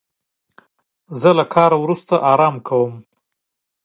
زه له کاره وروسته استراحت کوم.